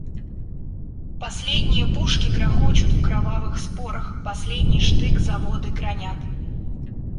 Последние пушки грохочут в кровавых спорах, последний штык заводы гранят.